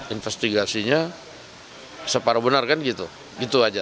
investigasinya separuh benar kan gitu